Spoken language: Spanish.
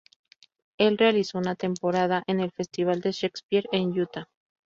Él realizó una temporada en el Festival de Shakespeare de Utah.